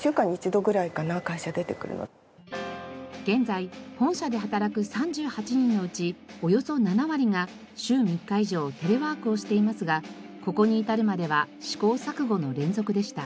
現在本社で働く３８人のうちおよそ７割が週３日以上テレワークをしていますがここに至るまでは試行錯誤の連続でした。